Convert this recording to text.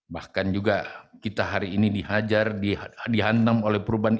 bahkan juga kita hari ini dihajar dihantam oleh perubahan